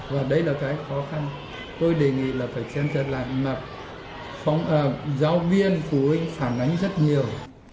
và đấy là cái khó khăn tôi đề nghị là phải xem thật là giáo viên phụ huynh phản ánh rất nhiều